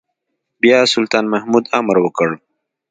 بيا سلطان محمود امر وکړ.